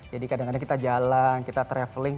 jadi kadang kadang kita jalan kita traveling